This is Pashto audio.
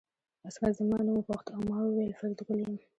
عسکر زما نوم وپوښت او ما وویل فریدګل یم